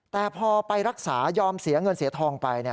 แต่พอไปรักษายอมเสียเงินเสียทองไป